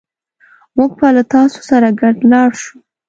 موږ به له تاسو سره ګډ لاړ شو